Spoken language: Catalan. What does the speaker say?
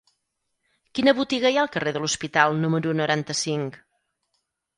Quina botiga hi ha al carrer de l'Hospital número noranta-cinc?